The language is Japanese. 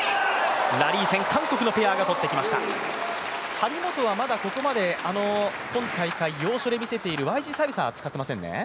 張本は、まだここまで今大会、要所で見せている、ＹＧサービスは使っていませんね。